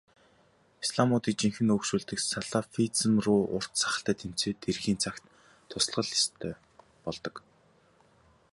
Исламистуудыг жинхэнээсээ өөгшүүлдэг салафизм руу урт сахалтай тэмцээд ирэхийн цагт тулах л ёстой болдог.